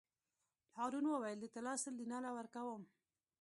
هارون وویل: د طلا سل دیناره ورکووم.